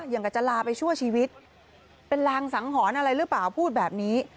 อย่างกับจะลาไปชั่วชีวิตเป็นรางสังหรณ์อะไรหรือเปล่าพูดแบบนี้